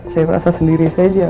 saya merasa sendiri saja